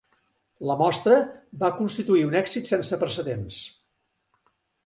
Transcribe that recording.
La mostra va constituir un èxit sense precedents.